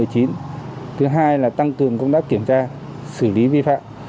thứ hai là tăng cường công tác kiểm tra xử lý vi phạm